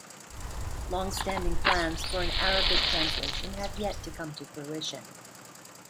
Long-standing plans for an Arabic translation have yet to come to fruition.